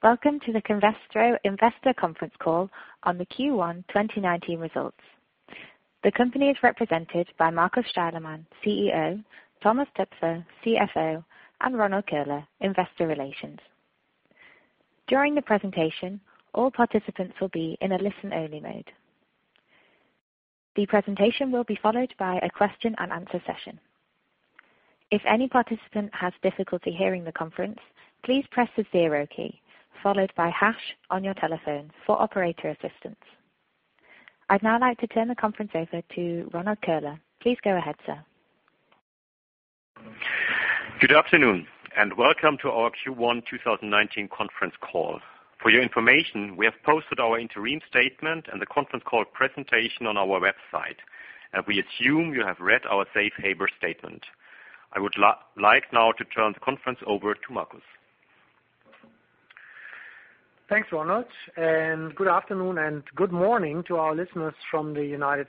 Welcome to the Covestro investor conference call on the Q1 2019 results. The company is represented by Markus Steilemann, CEO, Thomas Toepfer, CFO, and Ronald Köhler, Head of Investor Relations. During the presentation, all participants will be in a listen-only mode. The presentation will be followed by a question-and-answer session. If any participant has difficulty hearing the conference, please press the zero key followed by hash on your telephone for operator assistance. I'd now like to turn the conference over to Ronald Köhler. Please go ahead, sir. Good afternoon and welcome to our Q1 2019 conference call. For your information, we have posted our interim statement and the conference call presentation on our website. We assume you have read our safe harbor statement. I would like now to turn the conference over to Markus. Thanks, Ronald, and good afternoon and good morning to our listeners from the U.S.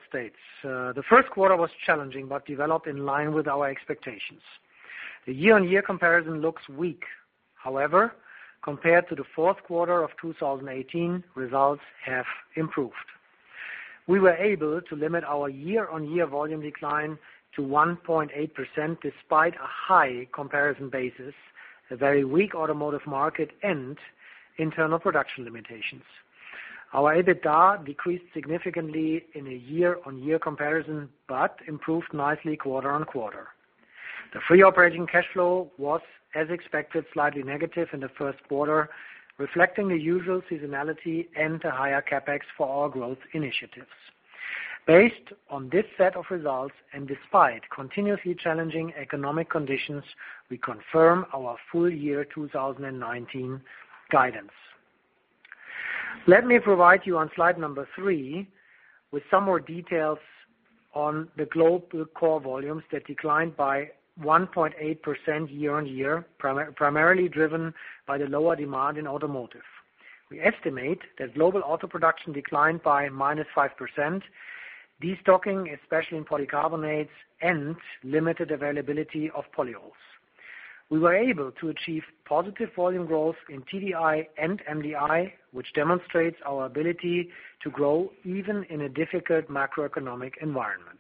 The first quarter was challenging but developed in line with our expectations. The year-on-year comparison looks weak. However, compared to the fourth quarter of 2018, results have improved. We were able to limit our year-on-year volume decline to 1.8% despite a high comparison basis, a very weak automotive market, and internal production limitations. Our EBITDA decreased significantly in a year-on-year comparison but improved nicely quarter-on-quarter. The free operating cash flow was, as expected, slightly negative in the first quarter, reflecting the usual seasonality and the higher CapEx for our growth initiatives. Based on this set of results and despite continuously challenging economic conditions, we confirm our full year 2019 guidance. Let me provide you on slide number three with some more details on the global core volumes that declined by 1.8% year-on-year, primarily driven by the lower demand in automotive. We estimate that global auto production declined by -5%, destocking, especially in polycarbonates, and limited availability of polyols. We were able to achieve positive volume growth in TDI and MDI, which demonstrates our ability to grow even in a difficult macroeconomic environment.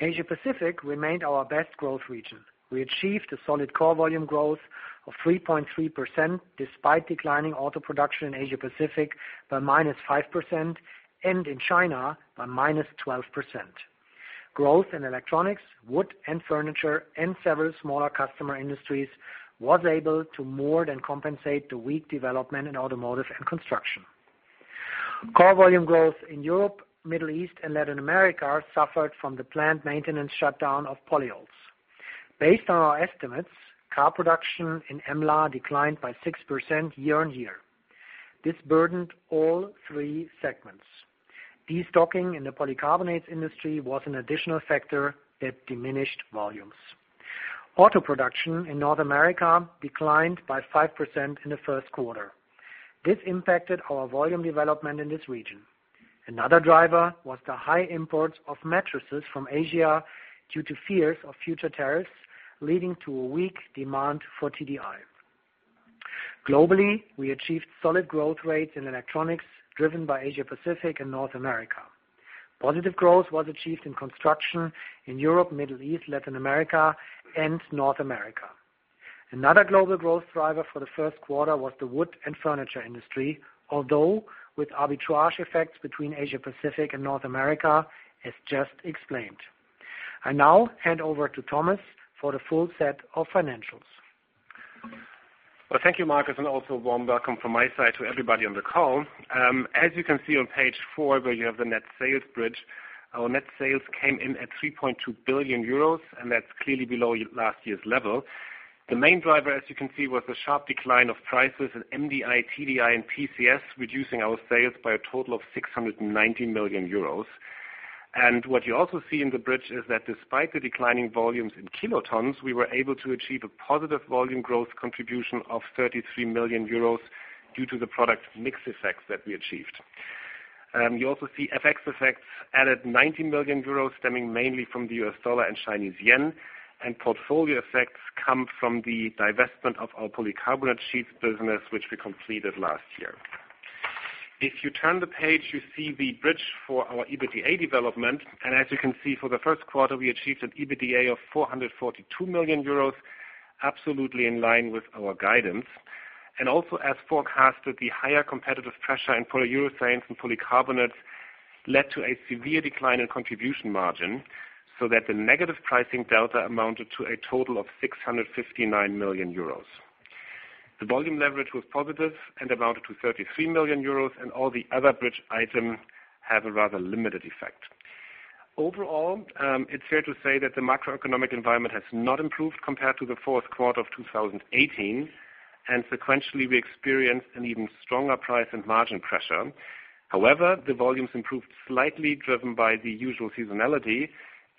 Asia-Pacific remained our best growth region. We achieved a solid core volume growth of 3.3%, despite declining auto production in Asia-Pacific by -5% and in China by -12%. Growth in electronics, wood and furniture, and several smaller customer industries was able to more than compensate the weak development in automotive and construction. Core volume growth in Europe, Middle East, and Latin America suffered from the plant maintenance shutdown of polyols. Based on our estimates, car production in EMLA declined by 6% year-on-year. This burdened all three segments. Destocking in the polycarbonates industry was an additional factor that diminished volumes. Auto production in North America declined by 5% in the first quarter. This impacted our volume development in this region. Another driver was the high imports of mattresses from Asia due to fears of future tariffs, leading to a weak demand for TDI. Globally, we achieved solid growth rates in electronics driven by Asia-Pacific and North America. Positive growth was achieved in construction in Europe, Middle East, Latin America, and North America. Another global growth driver for the first quarter was the wood and furniture industry, although with arbitrage effects between Asia-Pacific and North America, as just explained. I now hand over to Thomas for the full set of financials. Well, thank you, Markus, and also a warm welcome from my side to everybody on the call. As you can see on page four, where you have the net sales bridge, our net sales came in at 3.2 billion euros. That's clearly below last year's level. The main driver, as you can see, was the sharp decline of prices in MDI, TDI, and PCS, reducing our sales by a total of 690 million euros. What you also see in the bridge is that despite the declining volumes in kilotons, we were able to achieve a positive volume growth contribution of 33 million euros due to the product mix effects that we achieved. You also see FX effects added 90 million euros stemming mainly from the US dollar and Chinese yuan, and portfolio effects come from the divestment of our polycarbonate sheets business, which we completed last year. If you turn the page, you see the bridge for our EBITDA development. As you can see, for the first quarter, we achieved an EBITDA of 442 million euros, absolutely in line with our guidance. Also as forecasted, the higher competitive pressure in polyurethanes and polycarbonates led to a severe decline in contribution margin so that the negative pricing delta amounted to a total of 659 million euros. The volume leverage was positive and amounted to 33 million euros, and all the other bridge items have a rather limited effect. Overall, it's fair to say that the macroeconomic environment has not improved compared to the fourth quarter of 2018. Sequentially, we experienced an even stronger price and margin pressure. However, the volumes improved slightly, driven by the usual seasonality.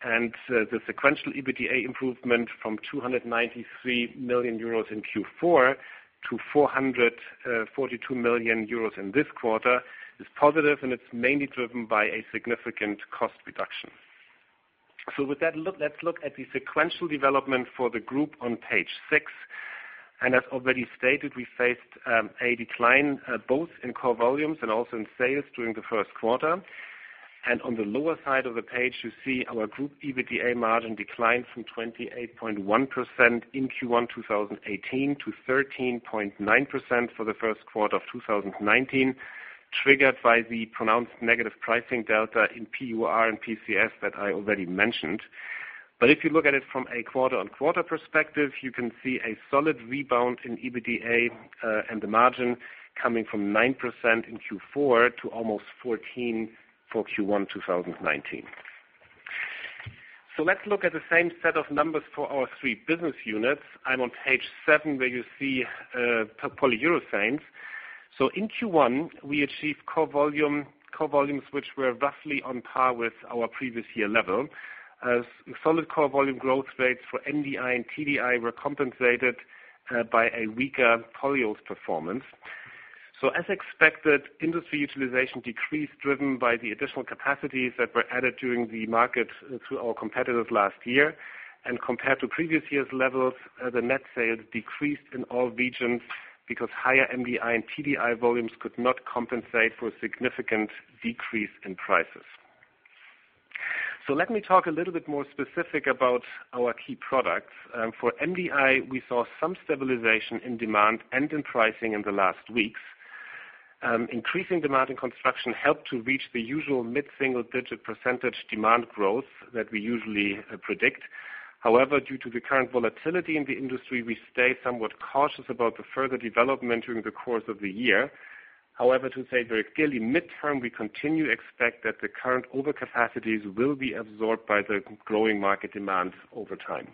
The sequential EBITDA improvement from 293 million euros in Q4 to 442 million euros in this quarter is positive, and it's mainly driven by a significant cost reduction. With that, let's look at the sequential development for the group on page six. As already stated, we faced a decline both in core volumes and also in sales during the first quarter. On the lower side of the page, you see our group EBITDA margin declined from 28.1% in Q1 2018 to 13.9% for the first quarter of 2019, triggered by the pronounced negative pricing delta in PUR and PCS that I already mentioned. If you look at it from a quarter-on-quarter perspective, you can see a solid rebound in EBITDA, and the margin coming from 9% in Q4 to almost 14% for Q1 2019. Let's look at the same set of numbers for our three business units. I'm on page seven, where you see polyurethanes. In Q1, we achieved core volumes which were roughly on par with our previous year level, as solid core volume growth rates for MDI and TDI were compensated by a weaker polyols performance. As expected, industry utilization decreased, driven by the additional capacities that were added during the market through our competitors last year. Compared to previous year's levels, the net sales decreased in all regions because higher MDI and TDI volumes could not compensate for a significant decrease in prices. Let me talk a little bit more specific about our key products. For MDI, we saw some stabilization in demand and in pricing in the last weeks. Increasing demand in construction helped to reach the usual mid-single-digit percentage demand growth that we usually predict. However, due to the current volatility in the industry, we stay somewhat cautious about the further development during the course of the year. However, to say very clearly, midterm, we continue to expect that the current overcapacities will be absorbed by the growing market demands over time.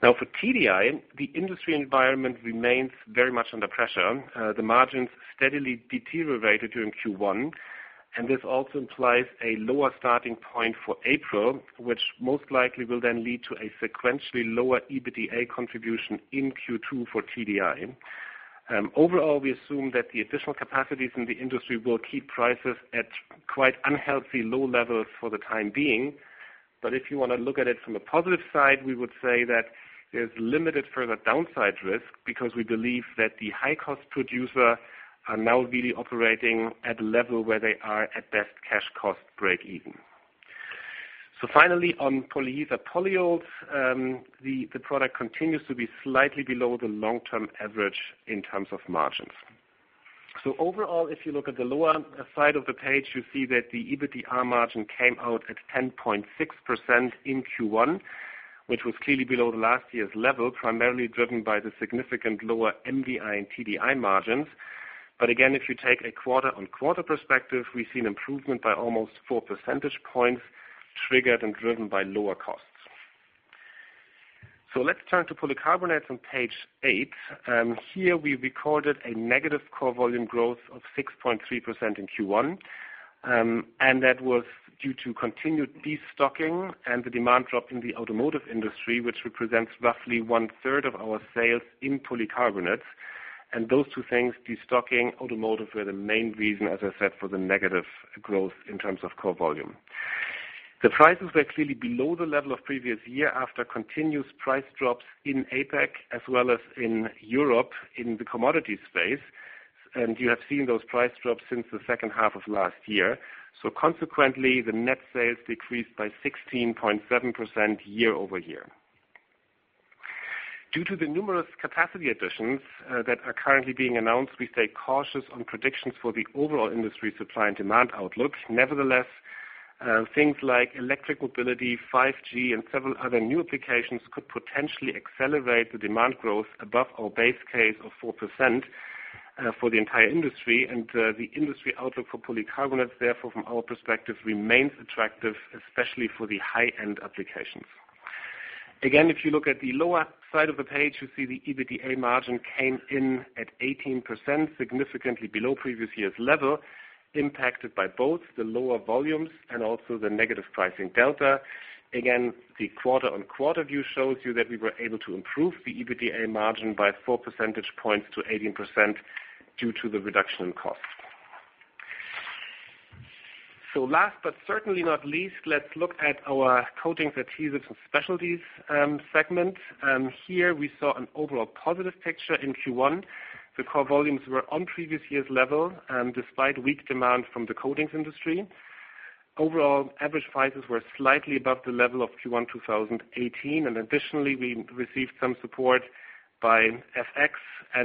For TDI, the industry environment remains very much under pressure. The margins steadily deteriorated during Q1, and this also implies a lower starting point for April, which most likely will then lead to a sequentially lower EBITDA contribution in Q2 for TDI. Overall, we assume that the additional capacities in the industry will keep prices at quite unhealthy low levels for the time being. If you want to look at it from a positive side, we would say that there's limited further downside risk because we believe that the high-cost producer are now really operating at a level where they are at best cash cost breakeven. Finally, on polyester polyols, the product continues to be slightly below the long-term average in terms of margins. Overall, if you look at the lower side of the page, you see that the EBITDA margin came out at 10.6% in Q1, which was clearly below the last year's level, primarily driven by the significant lower MDI and TDI margins. Again, if you take a quarter-on-quarter perspective, we see an improvement by almost four percentage points, triggered and driven by lower costs. Let's turn to polycarbonates on page eight. Here we recorded a negative core volume growth of 6.3% in Q1. That was due to continued destocking and the demand drop in the automotive industry, which represents roughly one-third of our sales in polycarbonates. Those two things, destocking, automotive, were the main reason, as I said, for the negative growth in terms of core volume. The prices were clearly below the level of previous year after continuous price drops in APAC as well as in Europe in the commodity space. You have seen those price drops since the second half of last year. Consequently, the net sales decreased by 16.7% year-over-year. Due to the numerous capacity additions that are currently being announced, we stay cautious on predictions for the overall industry supply and demand outlook. Nevertheless, things like electric mobility, 5G, and several other new applications could potentially accelerate the demand growth above our base case of 4% for the entire industry and the industry outlook for polycarbonates, therefore, from our perspective, remains attractive, especially for the high-end applications. Again, if you look at the lower side of the page, you see the EBITDA margin came in at 18%, significantly below previous year's level, impacted by both the lower volumes and also the negative pricing delta. Again, the quarter-on-quarter view shows you that we were able to improve the EBITDA margin by four percentage points to 18% due to the reduction in cost. Last but certainly not least, let's look at our Coatings, Adhesives, and Specialties segment. Here we saw an overall positive picture in Q1. The core volumes were on previous year's level, despite weak demand from the coatings industry. Overall, average prices were slightly above the level of Q1 2018. Additionally, we received some support by FX.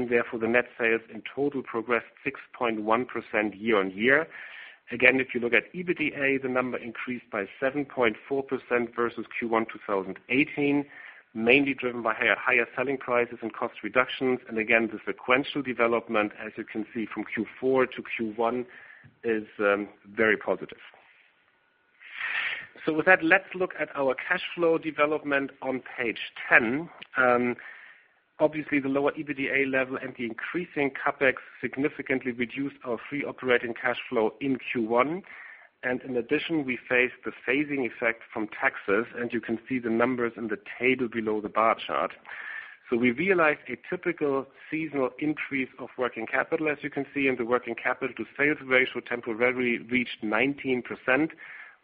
Therefore, the net sales in total progressed 6.1% year-on-year. Again, if you look at EBITDA, the number increased by 7.4% versus Q1 2018, mainly driven by higher selling prices and cost reductions. Again, the sequential development, as you can see from Q4 to Q1, is very positive. With that, let's look at our cash flow development on page 10. Obviously, the lower EBITDA level and the increasing CapEx significantly reduced our free operating cash flow in Q1. In addition, we faced the phasing effect from taxes. You can see the numbers in the table below the bar chart. We realized a typical seasonal increase of working capital, as you can see in the working capital to sales ratio temporarily reached 19%,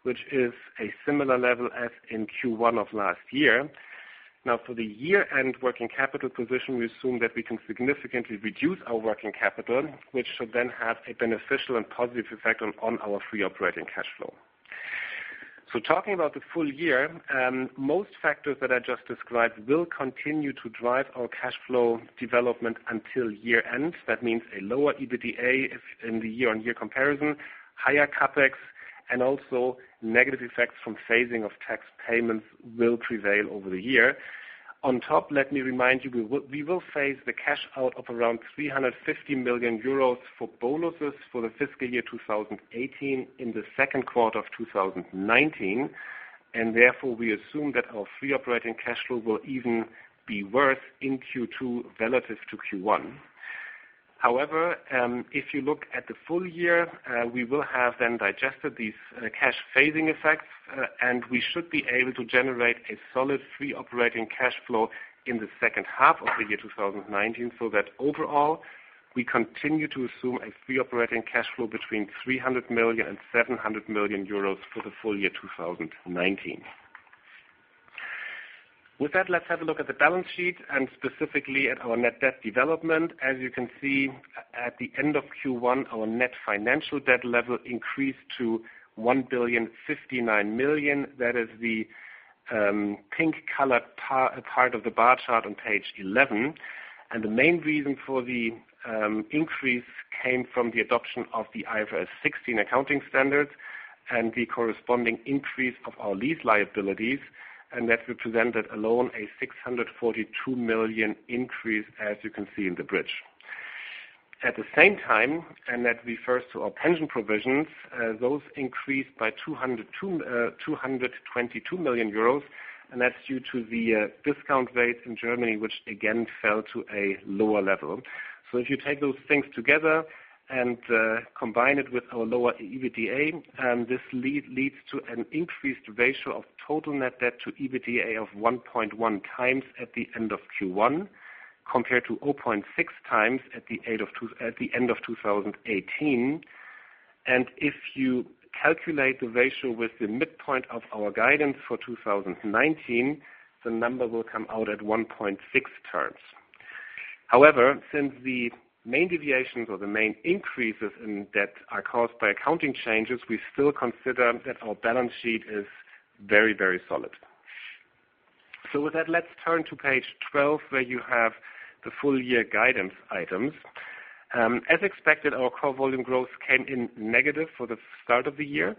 which is a similar level as in Q1 of last year. Now, for the year-end working capital position, we assume that we can significantly reduce our working capital, which should then have a beneficial and positive effect on our free operating cash flow. Talking about the full year, most factors that I just described will continue to drive our cash flow development until year end. That means a lower EBITDA in the year-on-year comparison, higher CapEx, also negative effects from phasing of tax payments will prevail over the year. On top, let me remind you, we will phase the cash out of around 350 million euros for bonuses for the fiscal year 2018 in the second quarter of 2019. Therefore, we assume that our free operating cash flow will even be worse in Q2 relative to Q1. However, if you look at the full year, we will have then digested these cash phasing effects, and we should be able to generate a solid free operating cash flow in the second half of the year 2019. Overall, we continue to assume a free operating cash flow between 300 million and 700 million euros for the full year 2019. With that, let's have a look at the balance sheet and specifically at our net debt development. As you can see, at the end of Q1, our net financial debt level increased to one billion 59 million. That is the pink colored part of the bar chart on page 11. The main reason for the increase came from the adoption of the IFRS 16 accounting standards and the corresponding increase of our lease liabilities, that represented alone a 642 million increase, as you can see in the bridge. At the same time, that refers to our pension provisions, those increased by 222 million euros, and that's due to the discount rates in Germany, which again fell to a lower level. If you take those things together and combine it with our lower EBITDA, this leads to an increased ratio of total net debt to EBITDA of 1.1x at the end of Q1, compared to 0.6x at the end of 2018. If you calculate the ratio with the midpoint of our guidance for 2019, the number will come out at 1.6x. However, since the main deviations or the main increases in debt are caused by accounting changes, we still consider that our balance sheet is very, very solid. With that, let's turn to page 12, where you have the full year guidance items. As expected, our core volume growth came in negative for the start of the year,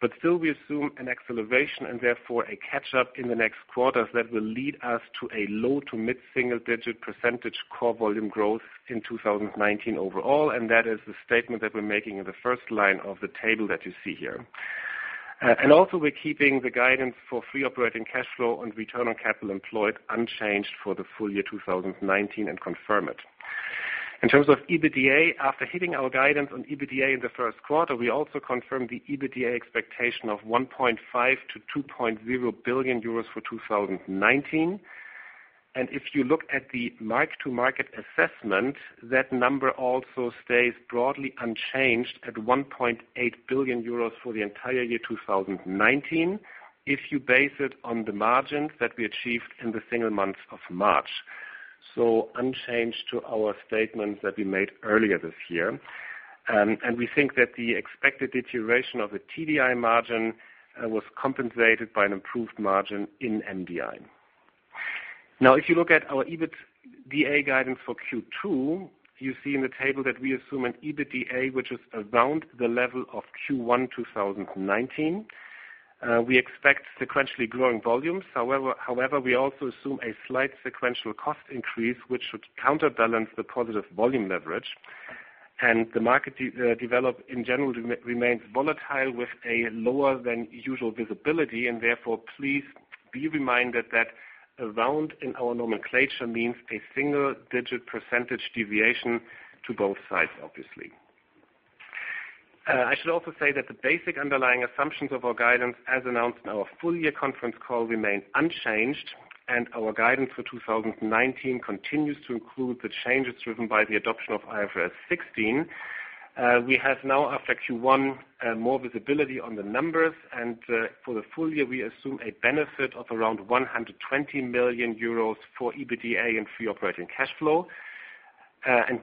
but still we assume an acceleration and therefore a catch-up in the next quarters that will lead us to a low to mid single digit percentage core volume growth in 2019 overall. That is the statement that we're making in the first line of the table that you see here. Also, we're keeping the guidance for free operating cash flow and Return on Capital Employed unchanged for the full year 2019 and confirm it. In terms of EBITDA, after hitting our guidance on EBITDA in the first quarter, we also confirmed the EBITDA expectation of 1.5 billion-2.0 billion euros for 2019. If you look at the mark-to-market assessment, that number also stays broadly unchanged at 1.8 billion euros for the entire year 2019 if you base it on the margins that we achieved in the single month of March. Unchanged to our statement that we made earlier this year. We think that the expected deterioration of the TDI margin was compensated by an improved margin in MDI. If you look at our EBITDA guidance for Q2, you see in the table that we assume an EBITDA which is around the level of Q1 2019. We expect sequentially growing volumes. However, we also assume a slight sequential cost increase, which should counterbalance the positive volume leverage. The market development in general remains volatile with a lower-than-usual visibility. Therefore, please be reminded that around in our nomenclature means a single-digit percentage deviation to both sides, obviously. I should also say that the basic underlying assumptions of our guidance, as announced in our full year conference call, remain unchanged, and our guidance for 2019 continues to include the changes driven by the adoption of IFRS 16. We have now, after Q1, more visibility on the numbers, and for the full year, we assume a benefit of around 120 million euros for EBITDA and free operating cash flow.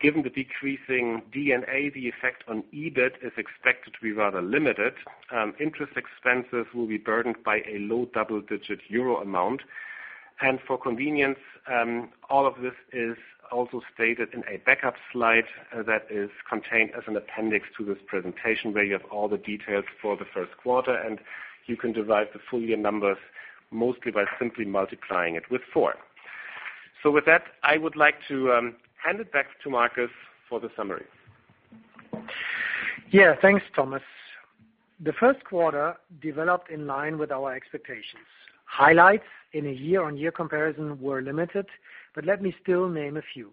Given the decreasing D&A, the effect on EBIT is expected to be rather limited. Interest expenses will be burdened by a low double-digit euro amount. For convenience, all of this is also stated in a backup slide that is contained as an appendix to this presentation where you have all the details for the first quarter, and you can derive the full year numbers mostly by simply multiplying it with four. With that, I would like to hand it back to Markus for the summary. Thanks, Thomas. The first quarter developed in line with our expectations. Highlights in a year-over-year comparison were limited, but let me still name a few.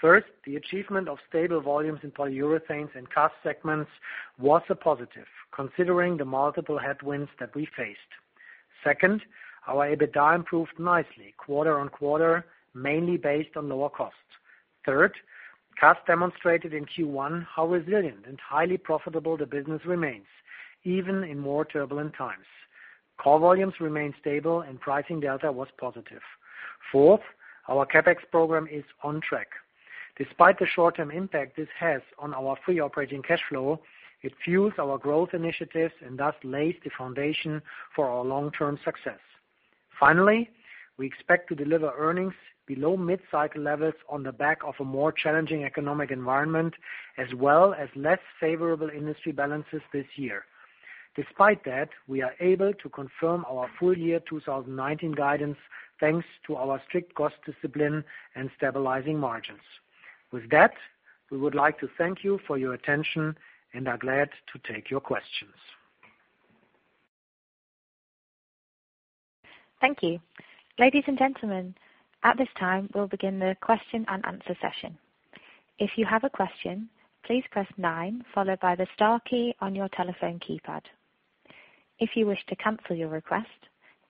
First, the achievement of stable volumes in Polyurethanes and CAS segments was a positive, considering the multiple headwinds that we faced. Second, our EBITDA improved nicely quarter-over-quarter, mainly based on lower costs. Third, CAS demonstrated in Q1 how resilient and highly profitable the business remains, even in more turbulent times. Core volumes remained stable and pricing delta was positive. Fourth, our CapEx program is on track. Despite the short-term impact this has on our free operating cash flow, it fuels our growth initiatives and thus lays the foundation for our long-term success. Finally, we expect to deliver earnings below mid-cycle levels on the back of a more challenging economic environment, as well as less favorable industry balances this year. Despite that, we are able to confirm our full year 2019 guidance thanks to our strict cost discipline and stabilizing margins. With that, we would like to thank you for your attention and are glad to take your questions. Thank you. Ladies and gentlemen, at this time, we will begin the question-and-answer session. If you have a question, please press nine, followed by the star key on your telephone keypad. If you wish to cancel your request,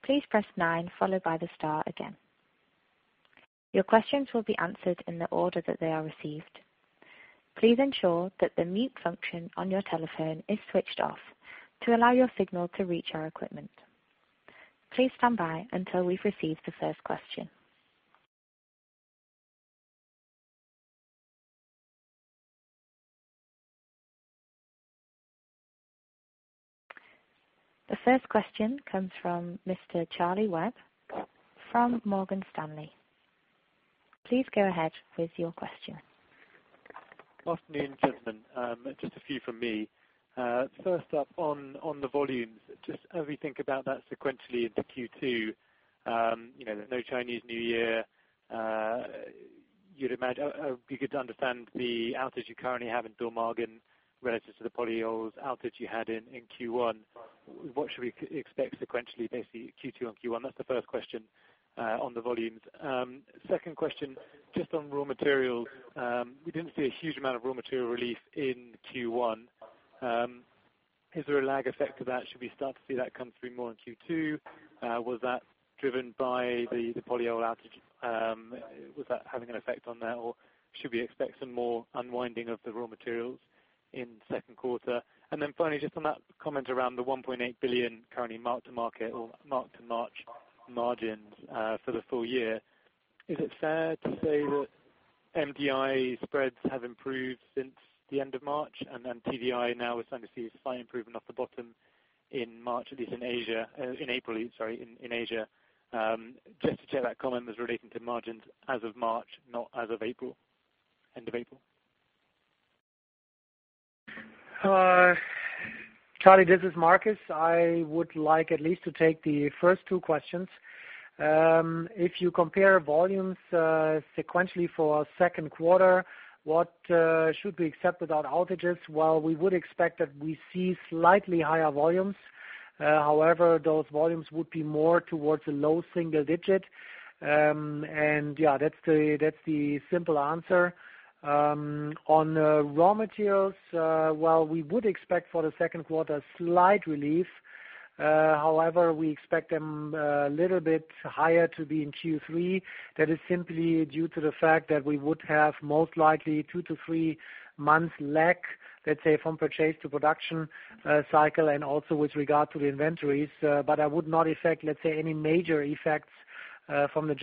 please press nine followed by the star again. Your questions will be answered in the order that they are received. Please ensure that the mute function on your telephone is switched off to allow your signal to reach our equipment. Please stand by until we have received the first question. The first question comes from Mr. Charlie Webb from Morgan Stanley. Please go ahead with your question. Good afternoon, gentlemen. Just a few from me. First up on the volumes, just how we think about that sequentially into Q2. There is no Chinese New Year. You could understand the outage you currently have in Dormagen relative to the polyols outage you had in Q1. What should we expect sequentially, basically Q2 on Q1? That is the first question on the volumes. Second question, just on raw materials. We did not see a huge amount of raw material release in Q1. Is there a lag effect of that? Should we start to see that come through more in Q2? Was that driven by the polyol outage? Was that having an effect on that, or should we expect some more unwinding of the raw materials in the second quarter? Finally, just on that comment around the 1.8 billion currently mark-to-market or mark-to-March margins for the full year, is it fair to say that MDI spreads have improved since the end of March and TDI now we are starting to see a slight improvement off the bottom in March, at least in April, in Asia. Just to check that comment was relating to margins as of March, not as of end of April. Charlie, this is Markus. I would like at least to take the first two questions. If you compare volumes sequentially for our second quarter, what should we accept without outages, while we would expect that we see slightly higher volumes. However, those volumes would be more towards the low single digit. Yeah, that is the simple answer. On raw materials, while we would expect for the second quarter slight relief, however, we expect them a little bit higher to be in Q3. That is simply due to the fact that we would have most likely two to three months lag, let's say, from purchase to production cycle and also with regard to the inventories. I would not affect, let's say, any major effects from the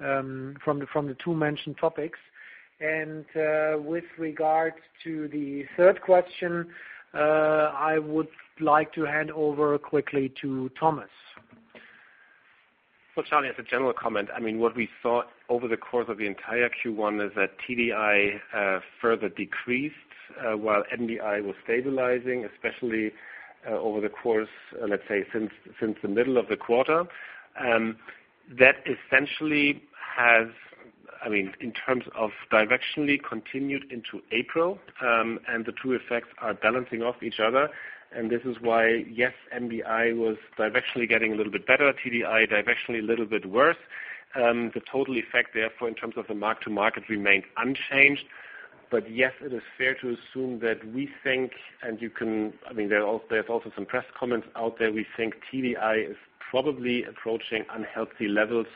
two mentioned topics. With regards to the third question, I would like to hand over quickly to Thomas. Charlie, as a general comment, what we thought over the course of the entire Q1 is that TDI further decreased while MDI was stabilizing, especially over the course, let's say, since the middle of the quarter. That essentially has, in terms of directionally, continued into April, and the two effects are balancing off each other. This is why, yes, MDI was directionally getting a little bit better, TDI directionally a little bit worse. The total effect, therefore, in terms of the mark-to-market remained unchanged. But yes, it is fair to assume that we think, and there's also some press comments out there, we think TDI is probably approaching unhealthy levels.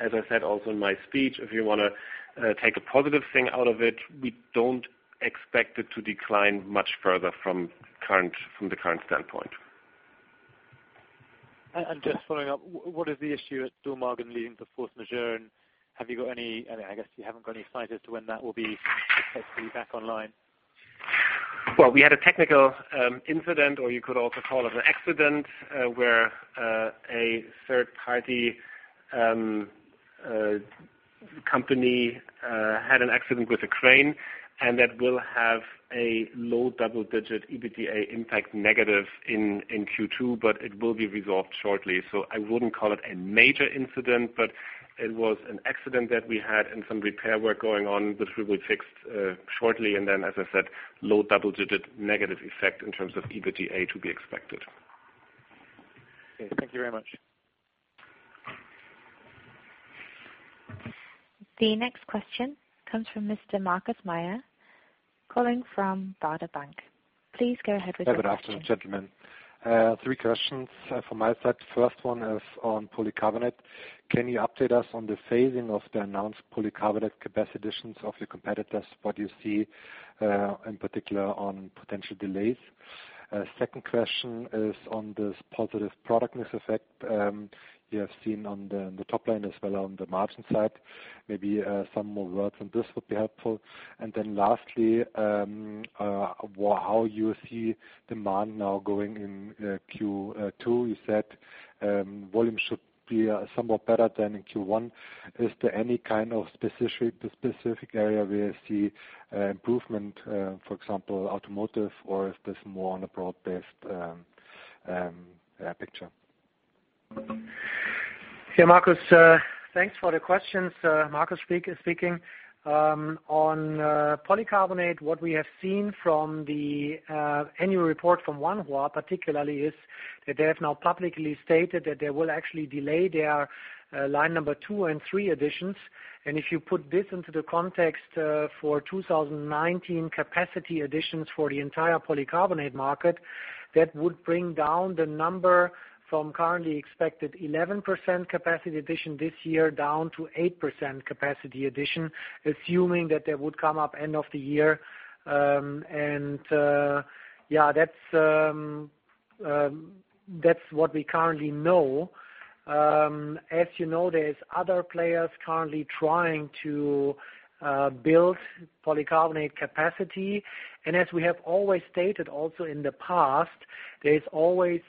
As I said also in my speech, if you want to take a positive thing out of it, we don't expect it to decline much further from the current standpoint. Just following up, what is the issue at Dormagen leading to force majeure? Have you got any, I guess, you haven't got any sight as to when that will be potentially back online? Well, we had a technical incident, or you could also call it an accident, where a third-party company had an accident with a crane, and that will have a low double-digit EBITDA impact negative in Q2, but it will be resolved shortly. I wouldn't call it a major incident, but it was an accident that we had and some repair work going on, which we will fix shortly. Then, as I said, low double-digit negative effect in terms of EBITDA to be expected. Okay. Thank you very much. The next question comes from Mr. Markus Mayer, calling from Baader Bank. Please go ahead with your question. Good afternoon, gentlemen. Three questions from my side. First one is on polycarbonate. Can you update us on the phasing of the announced polycarbonate capacity additions of your competitors? What do you see, in particular, on potential delays? Second question is on this positive product mix effect you have seen on the top line as well on the margin side. Maybe some more words on this would be helpful. Lastly, how you see demand now going in Q2. You said volume should be somewhat better than in Q1. Is there any kind of specific area where you see improvement, for example, automotive, or is this more on a broad-based picture? Yeah, Markus. Thanks for the questions. Markus speaking. On polycarbonate, what we have seen from the annual report from Wanhua particularly is that they have now publicly stated that they will actually delay their line number 2 and 3 additions. If you put this into the context for 2019 capacity additions for the entire polycarbonate market, that would bring down the number from currently expected 11% capacity addition this year down to 8% capacity addition, assuming that they would come up end of the year. That's what we currently know. As you know, there's other players currently trying to build polycarbonate capacity. As we have always stated also in the past, there's always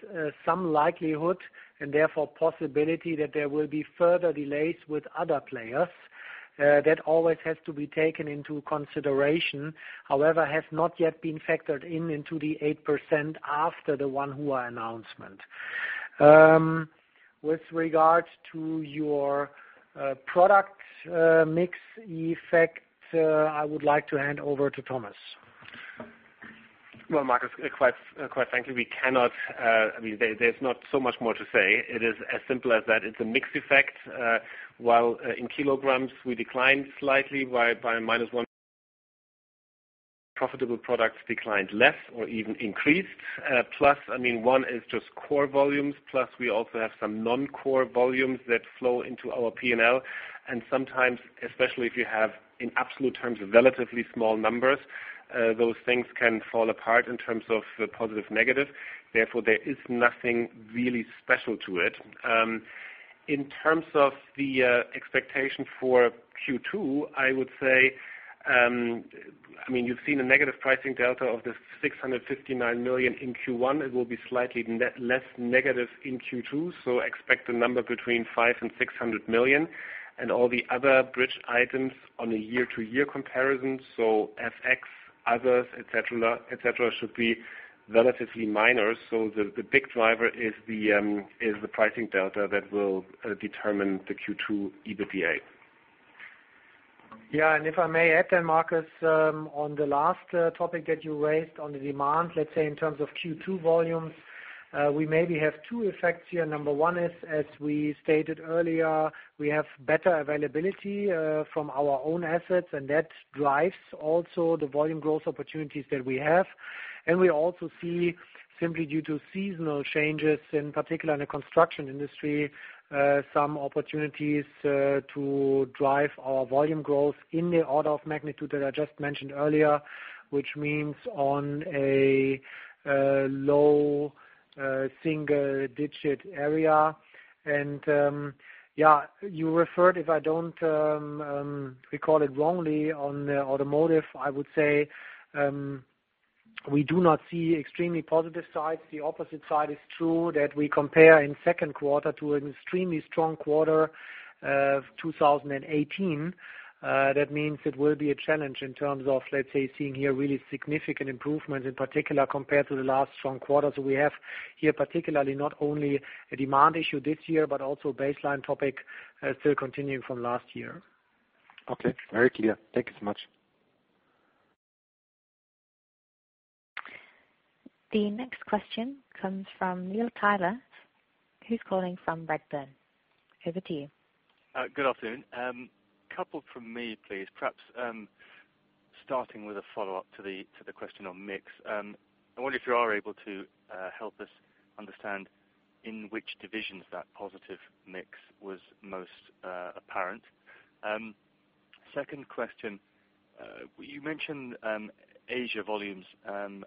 some likelihood, and therefore possibility, that there will be further delays with other players. That always has to be taken into consideration, however, has not yet been factored in into the 8% after the Wanhua announcement. With regards to your product mix effect, I would like to hand over to Thomas. Well, Markus, quite frankly, there's not so much more to say. It is as simple as that. It's a mix effect. While in kilograms we declined slightly by -1%. Profitable products declined less or even increased. Plus, I mean one is just core volumes, plus we also have some non-core volumes that flow into our P&L. Sometimes, especially if you have, in absolute terms, relatively small numbers, those things can fall apart in terms of positive, negative. Therefore, there is nothing really special to it. In terms of the expectation for Q2, you've seen a negative pricing delta of the 659 million in Q1. It will be slightly less negative in Q2, so expect a number between 5 million and 600 million. All the other bridge items on a year-to-year comparison, so FX, others, et cetera, should be relatively minor. The big driver is the pricing delta that will determine the Q2 EBITDA. If I may add then, Markus, on the last topic that you raised on the demand. Let's say in terms of Q2 volumes, we maybe have two effects here. Number one is, as we stated earlier, we have better availability from our own assets and that drives also the volume growth opportunities that we have. We also see simply due to seasonal changes, in particular in the construction industry, some opportunities to drive our volume growth in the order of magnitude that I just mentioned earlier, which means on a low single-digit area. Yeah, you referred, if I don't recall it wrongly, on automotive. I would say we do not see extremely positive sides. The opposite side is true, that we compare in second quarter to an extremely strong quarter of 2018. That means it will be a challenge in terms of, let's say, seeing here really significant improvements in particular compared to the last strong quarter. We have here particularly not only a demand issue this year, but also a baseline topic still continuing from last year. Okay. Very clear. Thank you so much. The next question comes from Neil Tyler, who is calling from Redburn. Over to you. Good afternoon. A couple from me, please. Perhaps starting with a follow-up to the question on mix. I wonder if you are able to help us understand in which divisions that positive mix was most apparent. Second question. You mentioned Asia volumes, and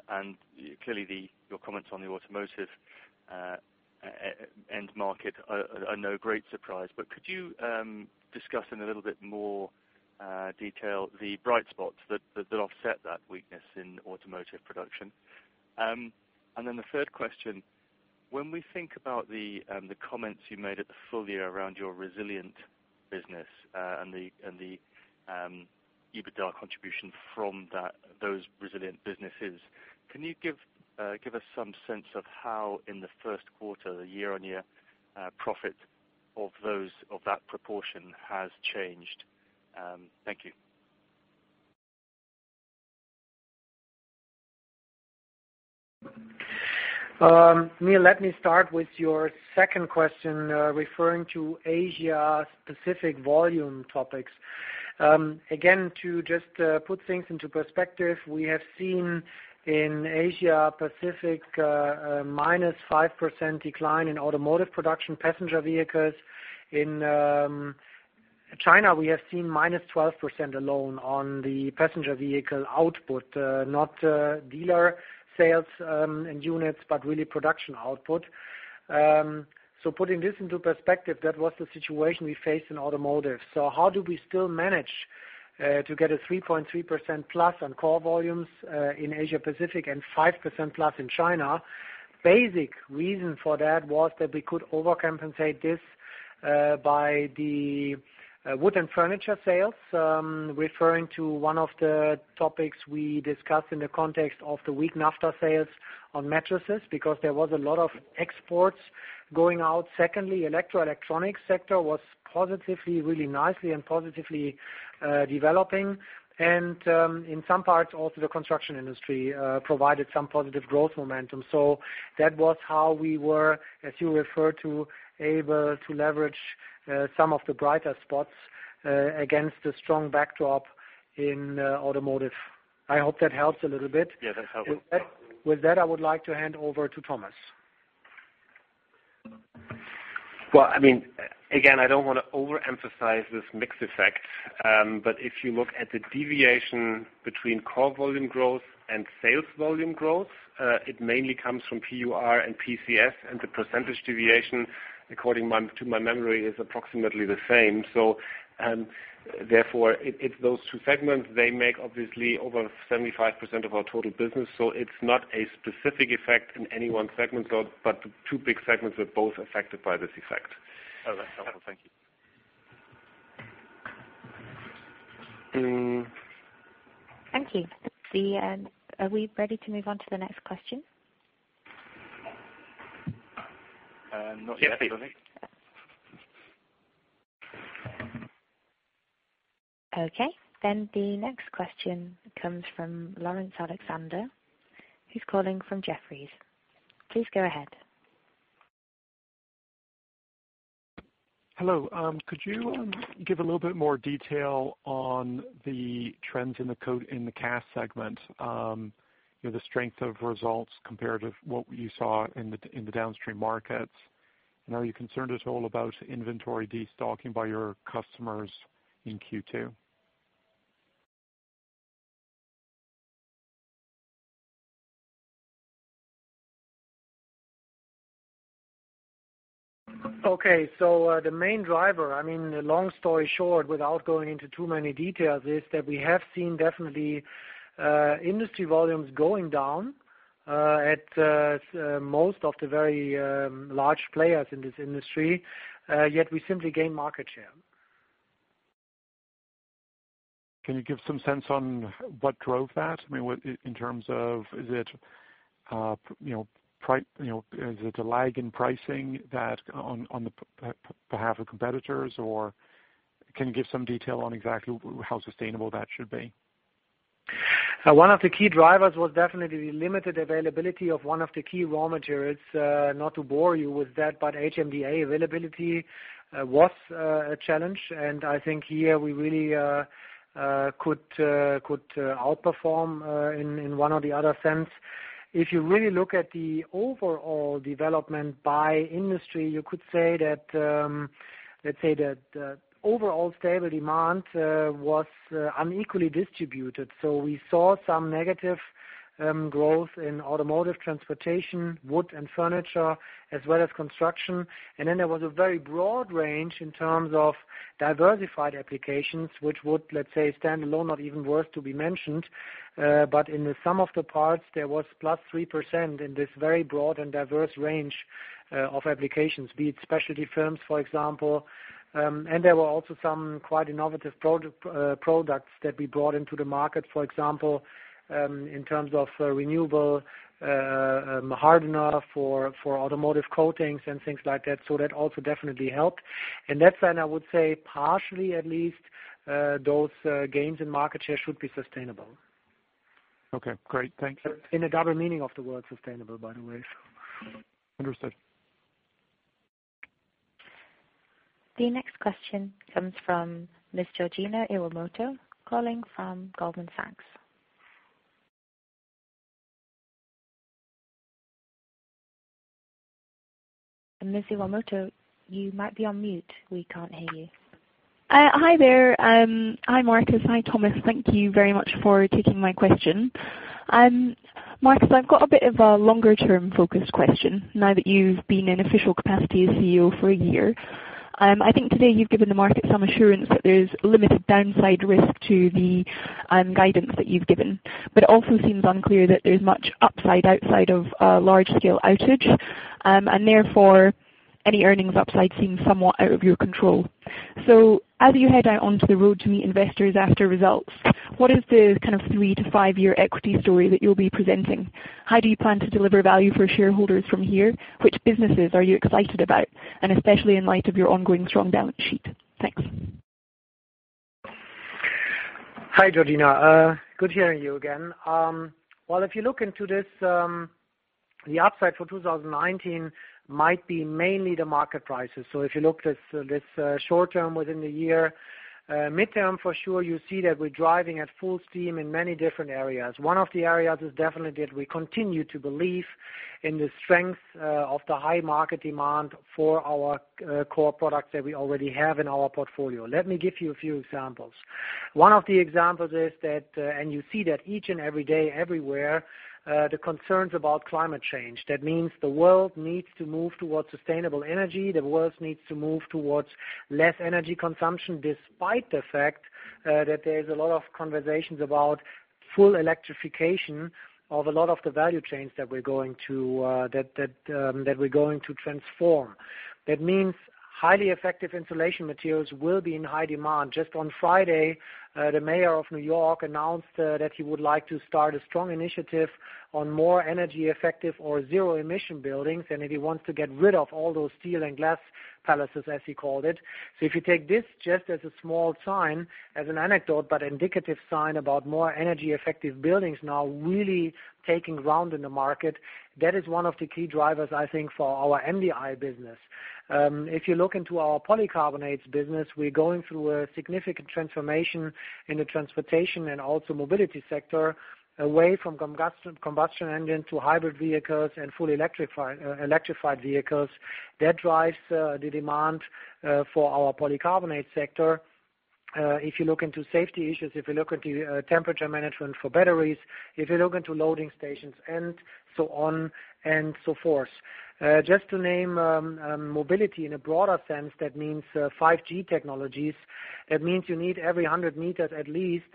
clearly your comments on the automotive end market are no great surprise, but could you discuss in a little bit more detail the bright spots that offset that weakness in automotive production? The third question, when we think about the comments you made at the full year around your resilient business and the EBITDA contribution from those resilient businesses, can you give us some sense of how in the first quarter, the year-on-year profit of that proportion has changed? Thank you. Neil, let me start with your second question referring to Asia-Pacific volume topics. Again, to just put things into perspective, we have seen in Asia-Pacific a -5% decline in automotive production passenger vehicles. In China, we have seen -12% alone on the passenger vehicle output, not dealer sales and units, but really production output. Putting this into perspective, that was the situation we faced in automotive. How do we still manage to get a 3.3%+ on core volumes in Asia-Pacific and 5%+ in China? Basic reason for that was that we could overcompensate this by the wood and furniture sales, referring to one of the topics we discussed in the context of the weak aftersales on mattresses, because there was a lot of exports going out. Secondly, electro-electronics sector was positively, really nicely and positively developing. In some parts also the construction industry provided some positive growth momentum. That was how we were, as you refer to, able to leverage some of the brighter spots against a strong backdrop in automotive. I hope that helps a little bit. Yes, that helps. With that, I would like to hand over to Thomas. Well, again, I don't want to overemphasize this mix effect. If you look at the deviation between core volume growth and sales volume growth, it mainly comes from PUR and PCS, and the percentage deviation, according to my memory, is approximately the same. Therefore, it's those two segments. They make obviously over 75% of our total business, so it's not a specific effect in any one segment, but the two big segments were both affected by this effect. Okay. Thank you. Thank you. Are we ready to move on to the next question? Not yet, I think. Okay. The next question comes from Laurence Alexander. He is calling from Jefferies. Please go ahead. Hello. Could you give a little bit more detail on the trends in the CAS segment? The strength of results compared with what you saw in the downstream markets. Are you concerned at all about inventory destocking by your customers in Q2? Okay. The main driver, long story short, without going into too many details, is that we have seen definitely industry volumes going down at most of the very large players in this industry. Yet we simply gain market share. Can you give some sense on what drove that? In terms of, is it a lag in pricing on the behalf of competitors, or can you give some detail on exactly how sustainable that should be? One of the key drivers was definitely the limited availability of one of the key raw materials. Not to bore you with that, but HMDA availability was a challenge, and I think here we really could outperform in one or the other sense. If you really look at the overall development by industry, you could say that the overall stable demand was unequally distributed. We saw some negative growth in automotive transportation, wood and furniture, as well as construction. There was a very broad range in terms of diversified applications, which would, let's say, stand alone, not even worth to be mentioned. In the sum of the parts, there was +3% in this very broad and diverse range of applications, be it specialty films, for example. There were also some quite innovative products that we brought into the market, for example, in terms of renewable hardener for automotive coatings and things like that. That also definitely helped. In that sense, I would say partially at least, those gains in market share should be sustainable. Okay, great. Thanks. In a double meaning of the word sustainable, by the way. Understood. The next question comes from Ms. Georgina Iwamoto, calling from Goldman Sachs. Miss Iwamoto, you might be on mute. We can't hear you. Hi there. Hi, Markus. Hi, Thomas. Thank you very much for taking my question. Markus, I've got a bit of a longer-term focus question now that you've been in official capacity as CEO for a year. I think today you've given the market some assurance that there's limited downside risk to the guidance that you've given, but it also seems unclear that there's much upside outside of a large-scale outage, and therefore any earnings upside seems somewhat out of your control. As you head out onto the road to meet investors after results, what is the three to five-year equity story that you'll be presenting? How do you plan to deliver value for shareholders from here? Which businesses are you excited about, and especially in light of your ongoing strong balance sheet? Thanks. Hi, Georgina. Good hearing you again. Well, if you look into this the upside for 2019 might be mainly the market prices. If you look at this short term within the year, midterm for sure, you see that we're driving at full steam in many different areas. One of the areas is definitely that we continue to believe in the strength of the high market demand for our core products that we already have in our portfolio. Let me give you a few examples. One of the examples is that, you see that each and every day everywhere, the concerns about climate change. That means the world needs to move towards sustainable energy. The world needs to move towards less energy consumption, despite the fact that there is a lot of conversations about full electrification of a lot of the value chains that we're going to transform. That means highly effective insulation materials will be in high demand. Just on Friday, the mayor of New York announced that he would like to start a strong initiative on more energy effective or zero-emission buildings, that he wants to get rid of all those steel and glass palaces, as he called it. If you take this just as a small sign, as an anecdote, but indicative sign about more energy effective buildings now really taking ground in the market, that is one of the key drivers, I think, for our MDI business. If you look into our polycarbonates business, we're going through a significant transformation in the transportation and also mobility sector, away from combustion engine to hybrid vehicles and fully electrified vehicles. That drives the demand for our polycarbonate sector. If you look into safety issues, if you look at the temperature management for batteries, if you look into loading stations and so on and so forth. Just to name mobility in a broader sense, that means 5G technologies. That means you need every 100 meters at least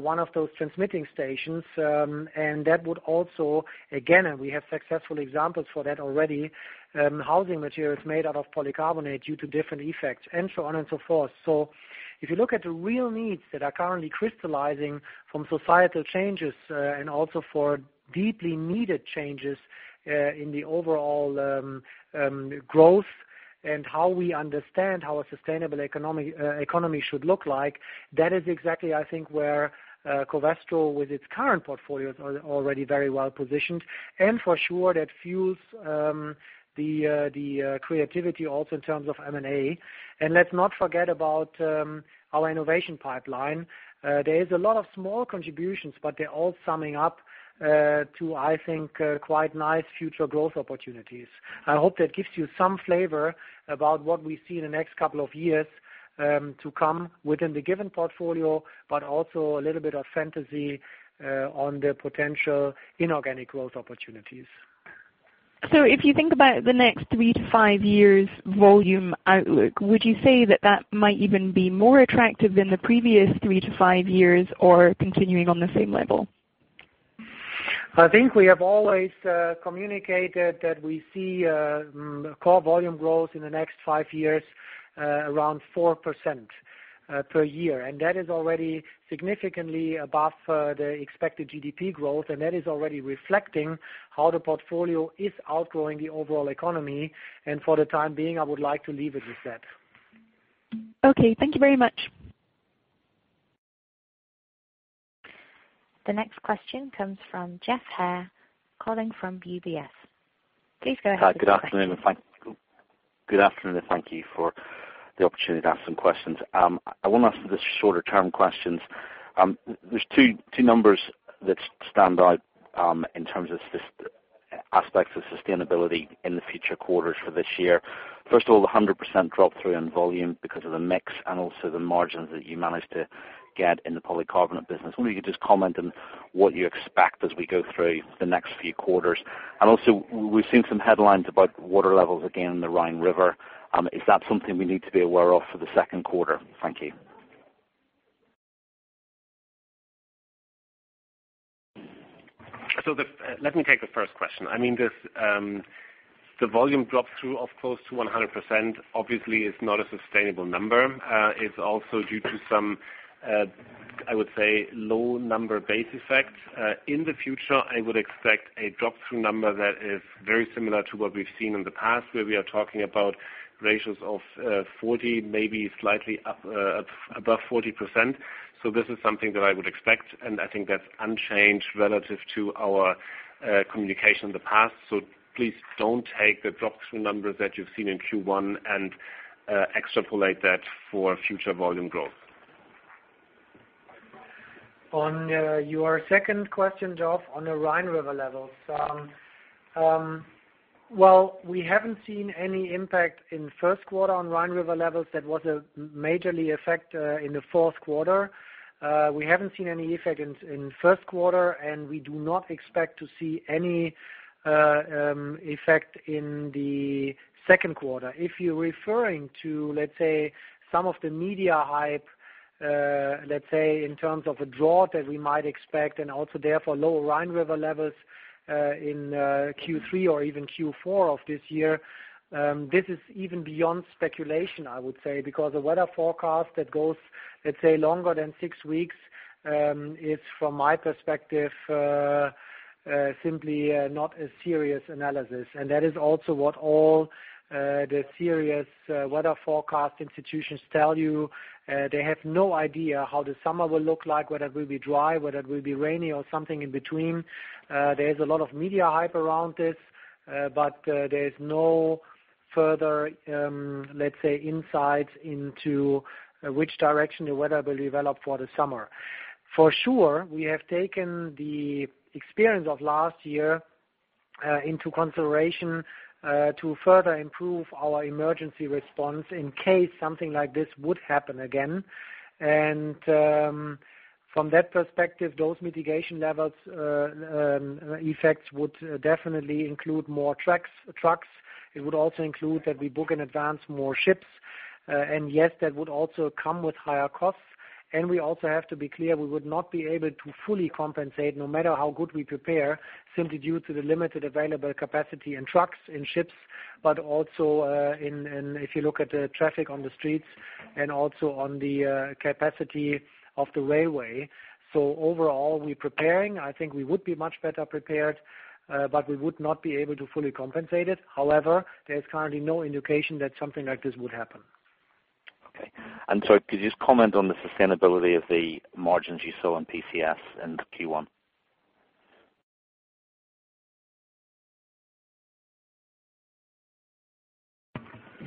one of those transmitting stations. That would also, again, and we have successful examples for that already, housing materials made out of polycarbonate due to different effects and so on and so forth. If you look at the real needs that are currently crystallizing from societal changes, and also for deeply needed changes in the overall growth and how we understand how a sustainable economy should look like, that is exactly, I think, where Covestro with its current portfolio is already very well positioned. For sure, that fuels the creativity also in terms of M&A. Let's not forget about our innovation pipeline. There is a lot of small contributions, but they're all summing up to, I think, quite nice future growth opportunities. I hope that gives you some flavor about what we see in the next couple of years to come within the given portfolio, but also a little bit of fantasy on the potential inorganic growth opportunities. If you think about the next three to five years volume outlook, would you say that that might even be more attractive than the previous three to five years, or continuing on the same level? I think we have always communicated that we see core volume growth in the next five years around 4% per year. That is already significantly above the expected GDP growth, and that is already reflecting how the portfolio is outgrowing the overall economy. For the time being, I would like to leave it with that. Okay. Thank you very much. The next question comes from Geoff Haire, calling from UBS. Please go ahead, sir. Hi, good afternoon, and thank you for the opportunity to ask some questions. I want to ask the shorter-term questions. There's two numbers that stand out in terms of aspects of sustainability in the future quarters for this year. First of all, the 100% drop-through in volume because of the mix and also the margins that you managed to get in the polycarbonate business. I wonder if you could just comment on what you expect as we go through the next few quarters. We've seen some headlines about water levels again in the Rhine River. Is that something we need to be aware of for the second quarter? Thank you. Let me take the first question. The volume drop-through of close to 100% obviously is not a sustainable number. It's also due to some I would say low-number base effects. In the future, I would expect a drop-through number that is very similar to what we've seen in the past, where we are talking about ratios of 40%, maybe slightly above 40%. This is something that I would expect, and I think that's unchanged relative to our communication in the past. Please don't take the drop-through numbers that you've seen in Q1 and extrapolate that for future volume growth. On your second question, Geoff, on the Rhine River levels. We haven't seen any impact in first quarter on Rhine River levels. That was a major effect in the fourth quarter. We haven't seen any effect in first quarter, and we do not expect to see any effect in the second quarter. If you're referring to, let's say, some of the media hype let's say in terms of a drought that we might expect and also therefore lower Rhine River levels in Q3 or even Q4 of this year. This is even beyond speculation, I would say, because the weather forecast that goes, let's say, longer than six weeks, is from my perspective, simply not a serious analysis. That is also what all the serious weather forecast institutions tell you. They have no idea how the summer will look like, whether it will be dry, whether it will be rainy or something in between. There is a lot of media hype around this, there is no further, let's say, insights into which direction the weather will develop for the summer. For sure, we have taken the experience of last year into consideration, to further improve our emergency response in case something like this would happen again. From that perspective, those mitigation levels effects would definitely include more trucks. It would also include that we book in advance more ships. That would also come with higher costs. We also have to be clear, we would not be able to fully compensate no matter how good we prepare, simply due to the limited available capacity in trucks and ships, but also, if you look at the traffic on the streets and also on the capacity of the railway. Overall, we're preparing. I think we would be much better prepared, but we would not be able to fully compensate it. However, there is currently no indication that something like this would happen. Okay. Sorry, could you just comment on the sustainability of the margins you saw on PCS in Q1?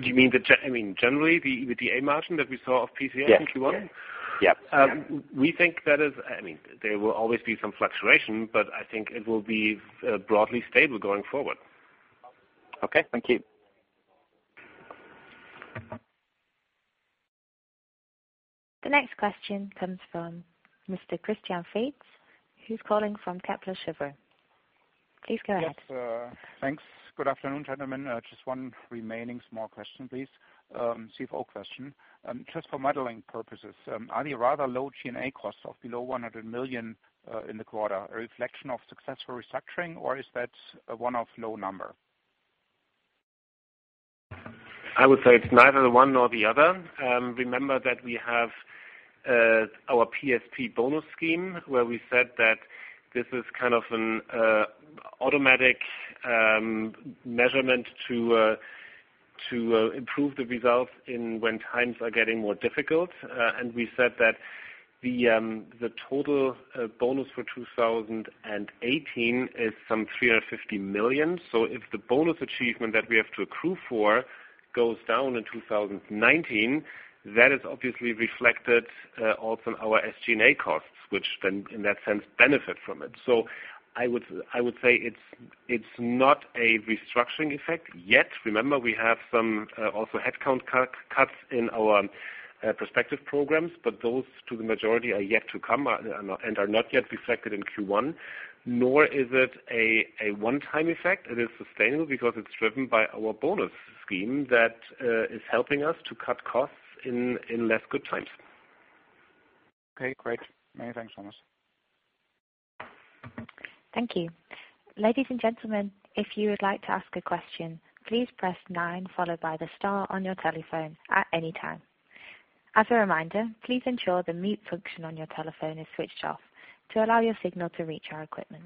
Do you mean generally the EBITDA margin that we saw of PCS in Q1? Yes. We think there will always be some fluctuation, but I think it will be broadly stable going forward. Okay. Thank you. The next question comes from Mr. Christian Faitz, who's calling from Kepler Cheuvreux. Please go ahead. Yes. Thanks. Good afternoon, gentlemen. Just one remaining small question, please. CFO question. Just for modeling purposes, are the rather low G&A costs of below 100 million in the quarter a reflection of successful restructuring or is that a one-off low number? I would say it's neither one nor the other. Remember that we have our PSP bonus scheme where we said that this is kind of an automatic measurement to improve the results when times are getting more difficult. We said that the total bonus for 2018 is some 350 million. If the bonus achievement that we have to accrue for goes down in 2019, that is obviously reflected also in our SG&A costs, which in that sense benefit from it. I would say it's not a restructuring effect yet. Remember we have some also headcount cuts in our Perspective program, those to the majority are yet to come and are not yet reflected in Q1, nor is it a one-time effect. It is sustainable because it's driven by our bonus scheme that is helping us to cut costs in less good times. Okay, great. Many thanks, Thomas. Thank you. Ladies and gentlemen, if you would like to ask a question, please press nine, followed by the star on your telephone at any time. As a reminder, please ensure the mute function on your telephone is switched off to allow your signal to reach our equipment.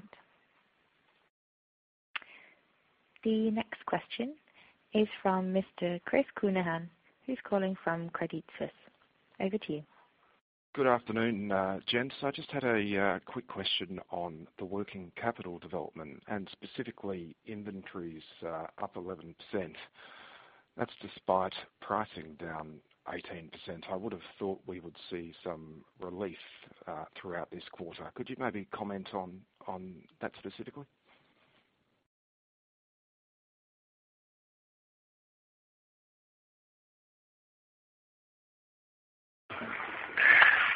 The next question is from Mr. Chris Counihan, who's calling from Credit Suisse. Over to you. Good afternoon, gents. I just had a quick question on the working capital development and specifically inventories up 11%. That's despite pricing down 18%. I would have thought we would see some relief throughout this quarter. Could you maybe comment on that specifically?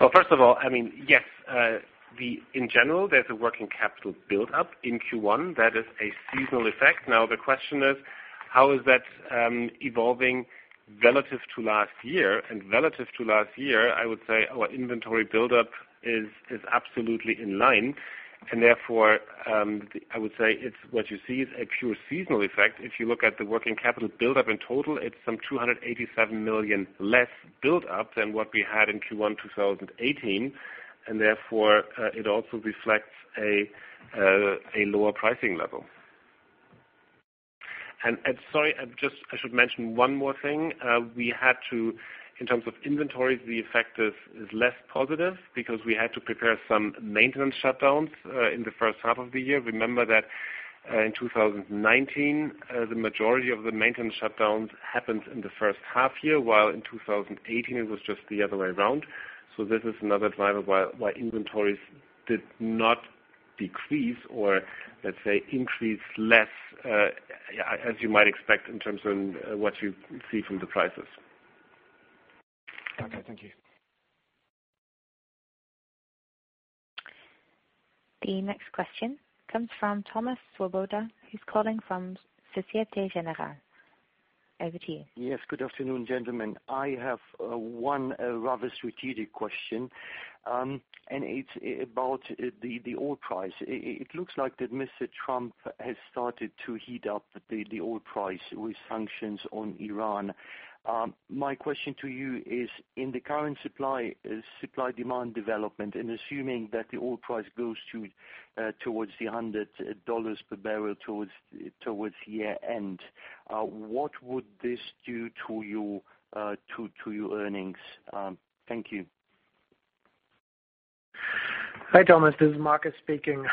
Well, first of all, yes. In general, there's a working capital buildup in Q1 that is a seasonal effect. Now, the question is how is that evolving relative to last year? Relative to last year, I would say our inventory buildup is absolutely in line and therefore, I would say what you see is a pure seasonal effect. If you look at the working capital buildup in total, it's some 287 million less buildup than what we had in Q1 2018. Therefore, it also reflects a lower pricing level. Sorry, I should mention one more thing. In terms of inventories, the effect is less positive because we had to prepare some maintenance shutdowns in the first half of the year. Remember that in 2019, the majority of the maintenance shutdowns happened in the first half year, while in 2018 it was just the other way around. This is another driver why inventories did not decrease or, let's say, increase less, as you might expect in terms of what you see from the prices. Okay. Thank you. The next question comes from Thomas Swoboda, who's calling from Societe Generale. Over to you. Yes. Good afternoon, gentlemen. I have one rather strategic question, and it's about the oil price. It looks like that Mr. Trump has started to heat up the oil price with sanctions on Iran. My question to you is, in the current supply-demand development, and assuming that the oil price goes towards the $100 per barrel towards year-end, what would this do to your earnings? Thank you. Hi, Thomas. This is Markus speaking.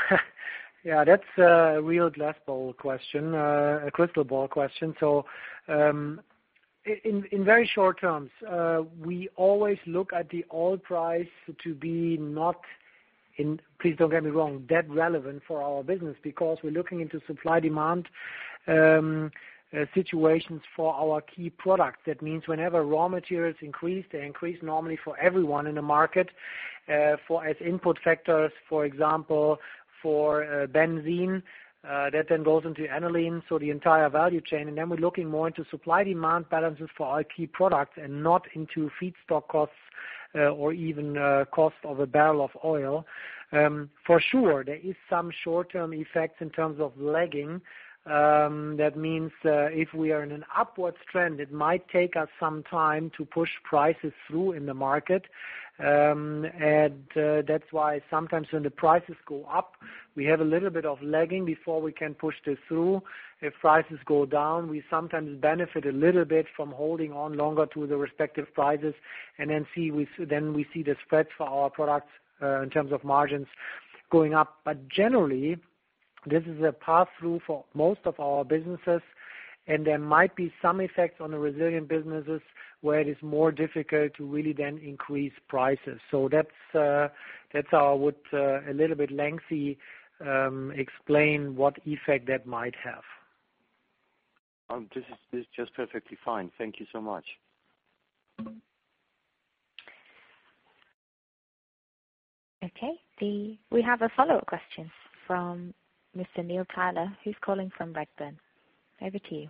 That's a real glass ball question, a crystal ball question. In very short terms, we always look at the oil price to be not, please don't get me wrong, that relevant for our business because we're looking into supply-demand situations for our key products. That means whenever raw materials increase, they increase normally for everyone in the market. As input factors, for example, for benzene, that then goes into aniline, so the entire value chain. Then we're looking more into supply-demand balances for our key products and not into feedstock costs or even cost of a barrel of oil. For sure, there is some short-term effects in terms of lagging. That means if we are in an upwards trend, it might take us some time to push prices through in the market. That's why sometimes when the prices go up, we have a little bit of lagging before we can push this through. If prices go down, we sometimes benefit a little bit from holding on longer to the respective prices. Then we see the spread for our products, in terms of margins, going up. Generally, this is a path through for most of our businesses. There might be some effects on the resilient businesses where it is more difficult to really then increase prices. That's how I would, a little bit lengthy, explain what effect that might have. This is just perfectly fine. Thank you so much. We have a follow-up question from Mr. Neil Tyler, who's calling from Redburn. Over to you.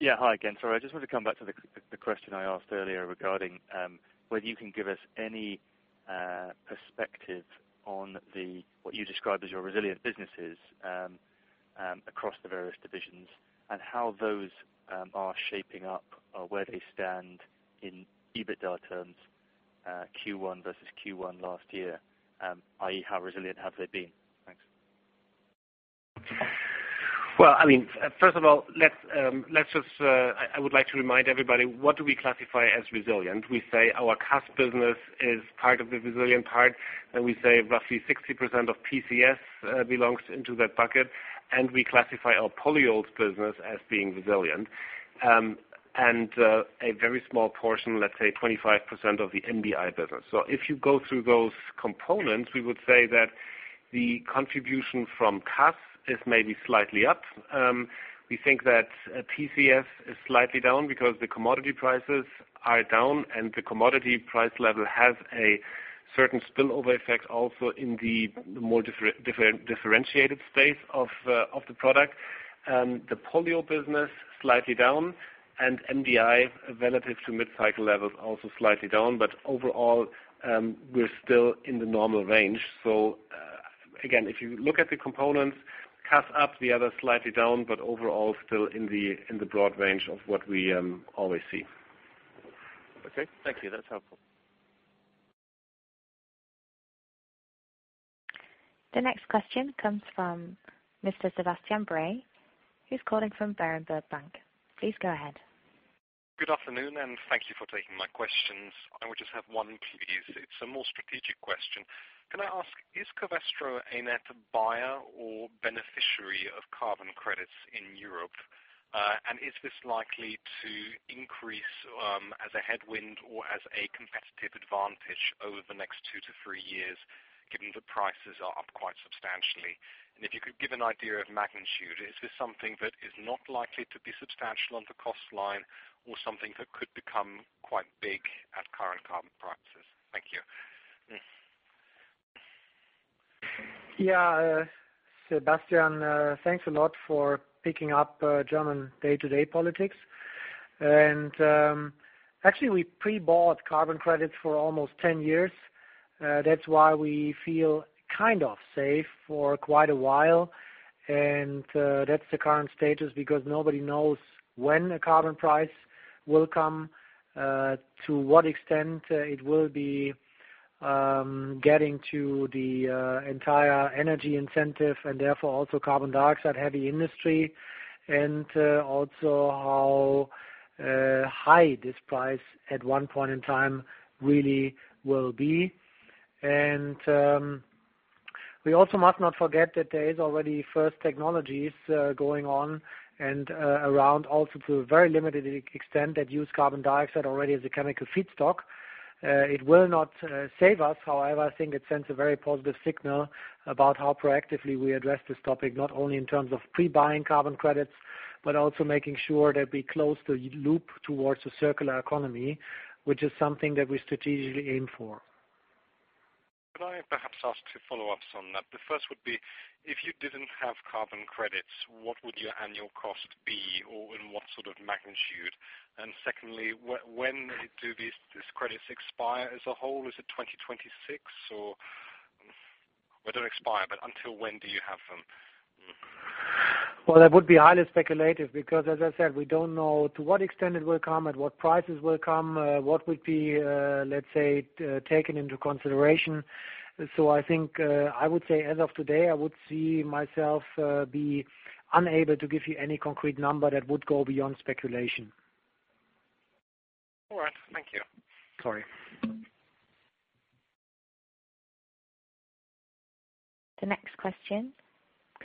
Yeah. Hi again. Sorry, I just want to come back to the question I asked earlier regarding whether you can give us any perspective on the, what you described as your resilient businesses across the various divisions and how those are shaping up or where they stand in EBITDA terms, Q1 versus Q1 last year. I.e., how resilient have they been? Thanks. Well, first of all, I would like to remind everybody, what do we classify as resilient? We say our CAS business is part of the resilient part, and we say roughly 60% of PCS belongs into that bucket, and we classify our polyols business as being resilient. And a very small portion, let’s say 25% of the MDI business. If you go through those components, we would say that the contribution from CAS is maybe slightly up. We think that PCS is slightly down because the commodity prices are down and the commodity price level has a certain spillover effect also in the more differentiated space of the product. The polyol business slightly down and MDI relative to mid-cycle levels, also slightly down. Overall, we’re still in the normal range. Again, if you look at the components, CAS up, the other slightly down, overall still in the broad range of what we always see. Okay. Thank you. That’s helpful. The next question comes from Mr. Sebastian Bray. He is calling from Berenberg Bank. Please go ahead. Good afternoon. Thank you for taking my questions. I will just have one, please. It is a more strategic question. Can I ask, is Covestro a net buyer or beneficiary of carbon credits in Europe? Is this likely to increase as a headwind or as a competitive advantage over the next two to three years, given the prices are up quite substantially? If you could give an idea of magnitude, is this something that is not likely to be substantial on the cost line or something that could become quite big at current carbon prices? Thank you. Yeah. Sebastian, thanks a lot for picking up German day-to-day politics. Actually, we pre-bought carbon credits for almost 10 years. That's why we feel kind of safe for quite a while. That's the current status because nobody knows when a carbon price will come, to what extent it will be getting to the entire energy incentive and therefore also carbon dioxide-heavy industry, and also how high this price at one point in time really will be. We also must not forget that there is already first technologies going on and around also to a very limited extent that use carbon dioxide already as a chemical feedstock. It will not save us. However, I think it sends a very positive signal about how proactively we address this topic, not only in terms of pre-buying carbon credits, but also making sure that we close the loop towards a circular economy, which is something that we strategically aim for. Perhaps ask two follow-ups on that. The first would be: If you didn't have carbon credits, what would your annual cost be? Or in what sort of magnitude? Secondly, when do these carbon credits expire as a whole? Is it 2026? Well, they'll expire, but until when do you have them? Well, that would be highly speculative because, as I said, we don't know to what extent it will come, at what prices it will come, what would be, let's say, taken into consideration. I think I would say, as of today, I would see myself be unable to give you any concrete number that would go beyond speculation. All right. Thank you. Sorry.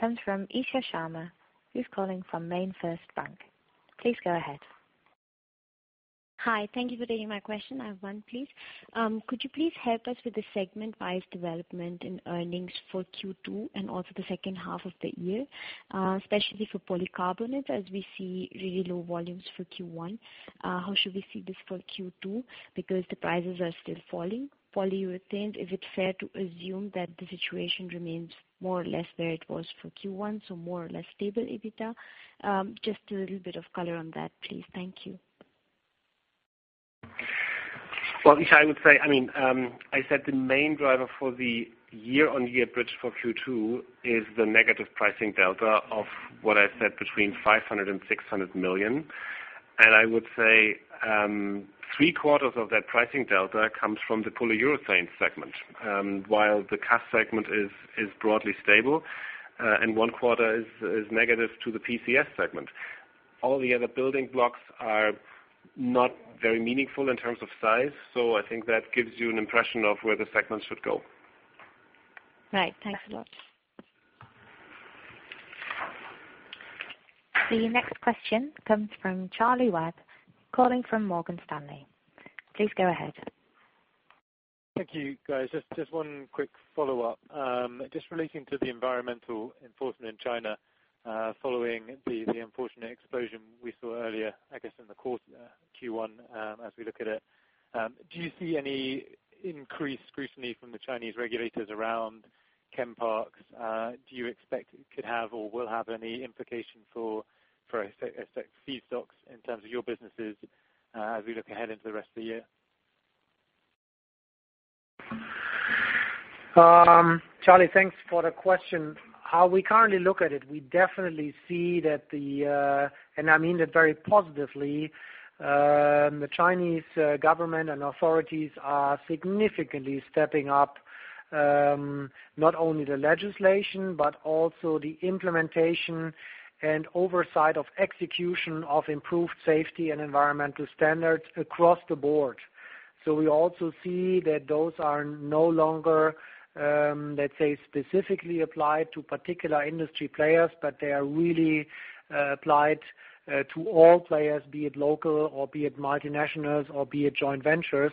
The next question comes from Isha Sharma, who's calling from MainFirst Bank. Please go ahead. Hi. Thank you for taking my question. I have one, please. Could you please help us with the segment wise development in earnings for Q2 and also the second half of the year, especially for polycarbonate, as we see really low volumes for Q1. How should we see this for Q2? Because the prices are still falling. Polyurethane, is it fair to assume that the situation remains more or less where it was for Q1, so more or less stable EBITDA? Just a little bit of color on that, please. Thank you. Well, Isha, I would say, the main driver for the year-on-year bridge for Q2 is the negative pricing delta of what I said between 500 million and 600 million. I would say three quarters of that pricing delta comes from the Polyurethanes segment. While the CAS segment is broadly stable, and one quarter is negative to the PCS segment. All the other building blocks are not very meaningful in terms of size, so I think that gives you an impression of where the segment should go. Right. Thanks a lot. The next question comes from Charlie Webb, calling from Morgan Stanley. Please go ahead. Thank you, guys. Just one quick follow-up. Just relating to the environmental enforcement in China, following the unfortunate explosion we saw earlier, I guess, in the course of Q1, as we look at it. Do you see any increased scrutiny from the Chinese regulators around chem parks? Do you expect it could have or will have any implication for feedstocks in terms of your businesses as we look ahead into the rest of the year? Charlie, thanks for the question. How we currently look at it, we definitely see that the, and I mean that very positively, the Chinese government and authorities are significantly stepping up, not only the legislation, but also the implementation and oversight of execution of improved safety and environmental standards across the board. We also see that those are no longer, let's say, specifically applied to particular industry players, but they are really applied to all players, be it local or be it multinationals or be it joint ventures.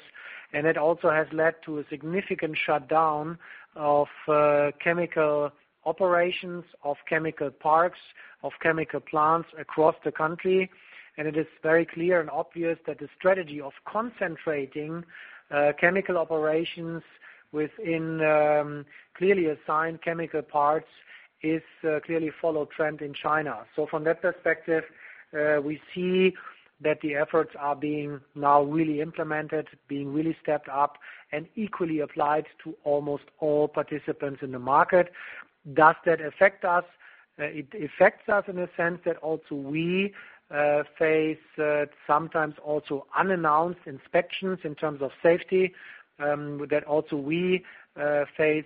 It also has led to a significant shutdown of chemical operations, of chemical parks, of chemical plants across the country. It is very clear and obvious that the strategy of concentrating chemical operations within clearly assigned chemical parks is clearly a follow trend in China. From that perspective, we see that the efforts are being now really implemented, being really stepped up and equally applied to almost all participants in the market. Does that affect us? It affects us in the sense that also we face sometimes also unannounced inspections in terms of safety. Also we face,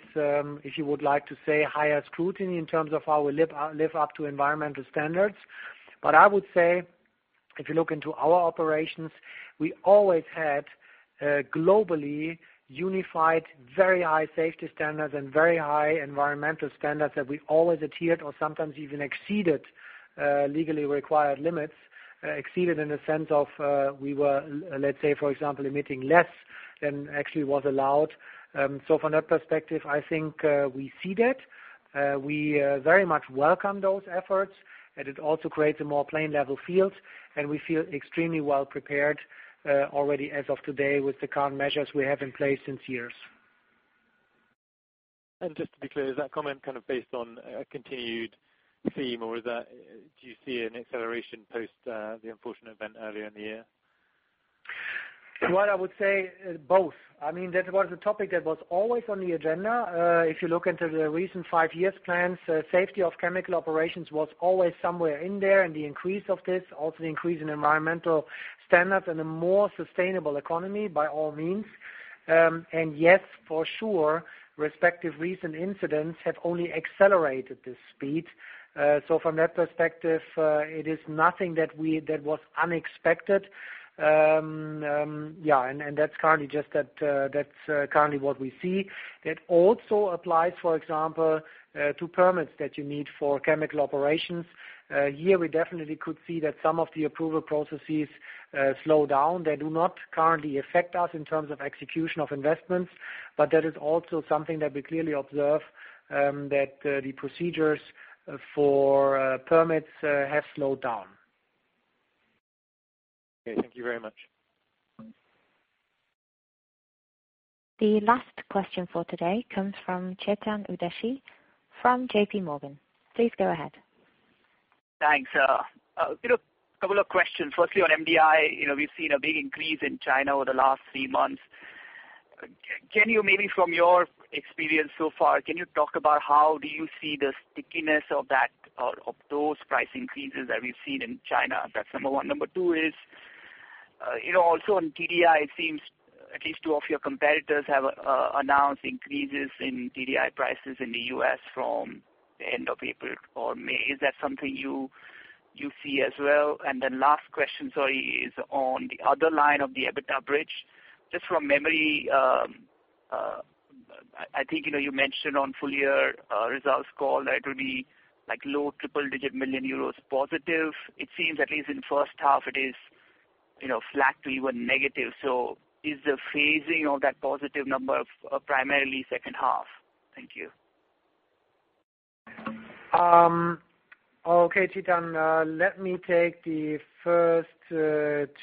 if you would like to say, higher scrutiny in terms of how we live up to environmental standards. I would say if you look into our operations, we always had globally unified, very high safety standards and very high environmental standards that we've always adhered or sometimes even exceeded legally required limits. Exceeded in the sense of we were, let's say, for example, emitting less than actually was allowed. From that perspective, I think, we see that. We very much welcome those efforts, and it also creates a more level field, and we feel extremely well-prepared already as of today with the current measures we have in place since years. Just to be clear, is that comment kind of based on a continued theme, or do you see an acceleration post the unfortunate event earlier in the year? Well, I would say both. That was a topic that was always on the agenda. If you look into the recent five years plans, safety of chemical operations was always somewhere in there and the increase of this, also the increase in environmental standards and a more sustainable economy by all means. Yes, for sure, respective recent incidents have only accelerated this speed. From that perspective, it is nothing that was unexpected. That's currently what we see. That also applies, for example, to permits that you need for chemical operations. Here we definitely could see that some of the approval processes slow down. They do not currently affect us in terms of execution of investments, but that is also something that we clearly observe, that the procedures for permits have slowed down. Okay, thank you very much. The last question for today comes from Chetan Udeshi from JPMorgan. Please go ahead. Thanks. A couple of questions. Firstly, on MDI, we've seen a big increase in China over the last three months. Maybe from your experience so far, can you talk about how do you see the stickiness of those price increases that we've seen in China? That's number one. Number two is, also on TDI, it seems at least two of your competitors have announced increases in TDI prices in the U.S. from the end of April or May. Is that something you see as well? Last question, sorry, is on the other line of the EBITDA bridge. Just from memory, I think you mentioned on full-year results call that it will be low triple-digit million euros positive. It seems at least in the first half it is flat to even negative. Is the phasing of that positive number primarily second half? Thank you. Okay, Chetan. Let me take the first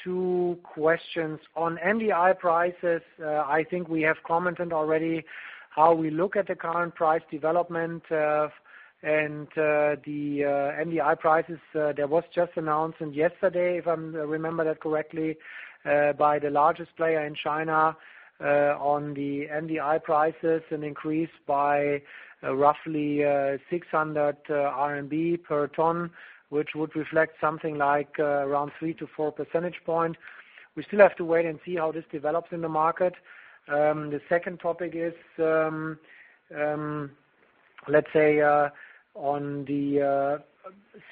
two questions. On MDI prices, I think we have commented already how we look at the current price development. The MDI prices, that was just announced yesterday, if I remember that correctly, by the largest player in China on the MDI prices, an increase by roughly 600 RMB per ton, which would reflect something like around 3-4 percentage points. We still have to wait and see how this develops in the market. The second topic is, let's say, on the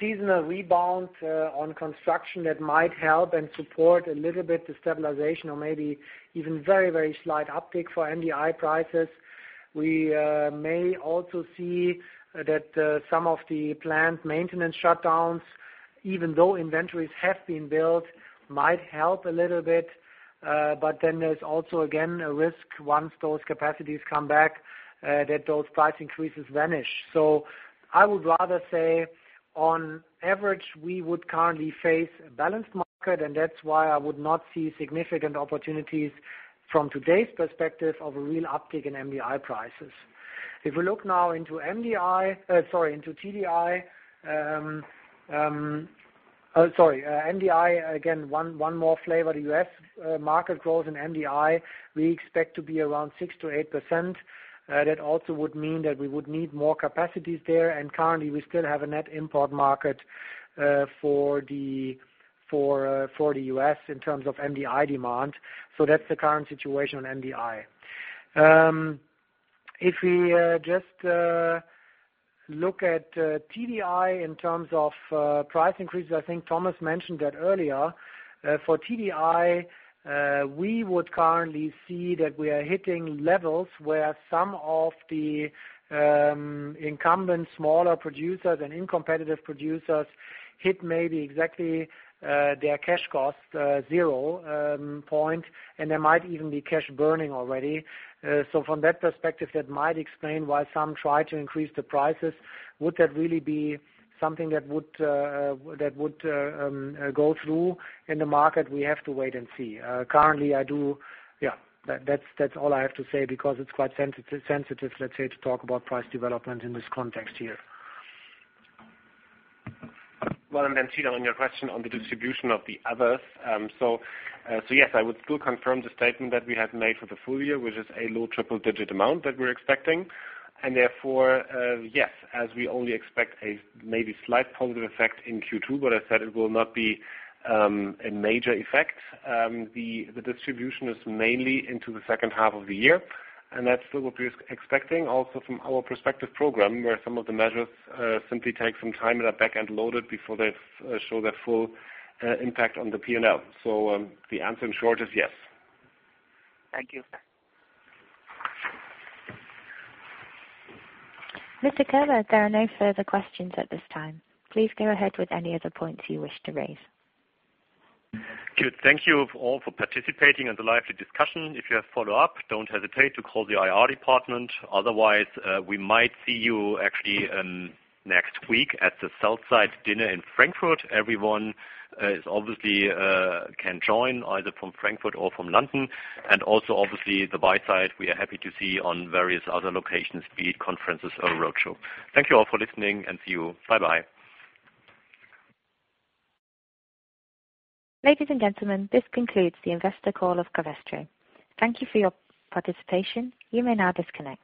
seasonal rebound on construction that might help and support a little bit the stabilization or maybe even very, very slight uptick for MDI prices. We may also see that some of the plant maintenance shutdowns, even though inventories have been built, might help a little bit. There's also, again, a risk once those capacities come back, that those price increases vanish. I would rather say, on average, we would currently face a balanced market, and that's why I would not see significant opportunities from today's perspective of a real uptick in MDI prices. If we look now into MDI, sorry, into TDI, Sorry, MDI, again, one more flavor. The U.S. market growth in MDI, we expect to be around 6%-8%. That also would mean that we would need more capacities there, and currently we still have a net import market for the U.S. in terms of MDI demand. That's the current situation on MDI. If we just look at TDI in terms of price increases, I think Thomas mentioned that earlier. For TDI, we would currently see that we are hitting levels where some of the incumbent smaller producers and uncompetitive producers hit maybe exactly their cash cost, zero point, and there might even be cash burning already. From that perspective, that might explain why some try to increase the prices. Would that really be something that would go through in the market? We have to wait and see. Currently, Yeah, that's all I have to say because it's quite sensitive, let's say, to talk about price development in this context here. Chetan, on your question on the distribution of the others. Yes, I would still confirm the statement that we had made for the full year, which is a low triple-digit amount that we're expecting. Therefore, yes, as we only expect a maybe slight positive effect in Q2, but I said it will not be a major effect. The distribution is mainly into the second half of the year, and that's still what we're expecting also from our Perspective program, where some of the measures simply take some time and are back and loaded before they show their full impact on the P&L. The answer, in short, is yes. Thank you. Mr. Köhler, there are no further questions at this time. Please go ahead with any other points you wish to raise. Thank you all for participating in the lively discussion. If you have follow-up, don't hesitate to call the IR department. Otherwise, we might see you actually next week at the sell-side dinner in Frankfurt. Everyone obviously can join either from Frankfurt or from London. Obviously, the buy side, we are happy to see on various other locations, be it conferences or roadshow. Thank you all for listening and see you. Bye-bye. Ladies and gentlemen, this concludes the investor call of Covestro. Thank you for your participation. You may now disconnect.